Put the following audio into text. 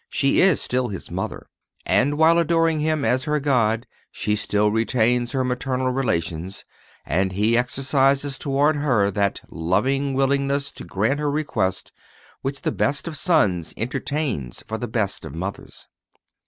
She is still His Mother, and while adoring Him as her God she still retains her maternal relations, and He exercises toward her that loving willingness to grant her request which the best of sons entertains for the best of mothers.